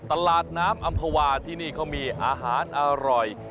ตลาดน้ำอำภาวาที่นี่เขามีอาหารอร่อย